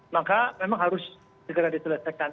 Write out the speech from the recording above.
maka memang harus segera diselesaikan